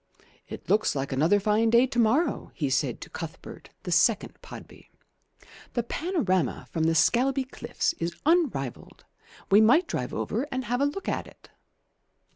"It looks like another fine day to morrow," he said to Cuthbert, the second Podby. "The panorama from the Scalby cliffs is unrivalled. We might drive over and have a look at it."